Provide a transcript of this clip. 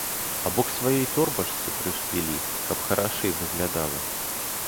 Або к сваёй торбачцы прышпілі, каб харашэй выглядала.